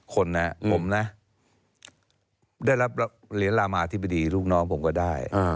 คนนะผมนะได้รับเหรียญรามาธิบดีลูกน้องผมก็ได้